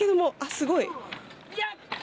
すごい！